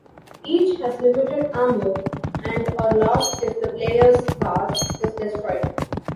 Each has limited ammo and are lost if the player's car is destroyed.